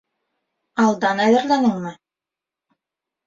Алдан әҙерләнеңме?